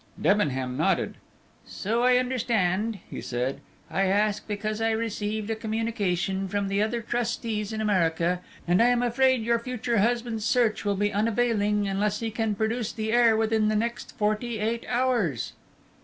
Debenham nodded. "So I understand," he said. "I ask because I received a communication from the other trustees in America, and I am afraid your future husband's search will be unavailing unless he can produce the heir within the next forty eight hours."